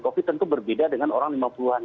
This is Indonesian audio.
covid tentu berbeda dengan orang lima puluh an